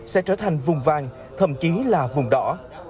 sẽ trở thành vùng vàng thậm chí là vùng đỏ